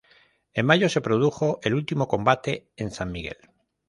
En mayo se produjo el último combate en San Miguel.